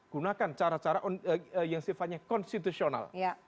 gunakan cara cara yang sifatnya konstitusional